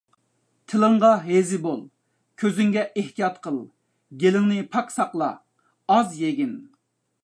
تىلىڭغا ھېزى بول، كۆزۈڭگە ئېھتىيات قىل. گېلىڭنى پاك ساقلا، ئاز يېگىن.